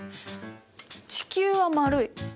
地球は丸い。